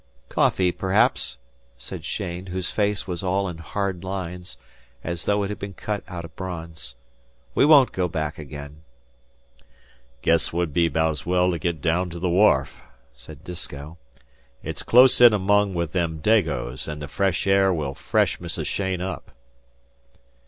"Coffee, perhaps," said Cheyne, whose face was all in hard lines, as though it had been cut out of bronze. "We won't go back again." "Guess 'twould be 'baout's well to git daown to the wharf," said Disko. "It's close in along with them Dagoes, an' the fresh air will fresh Mrs. Cheyne up."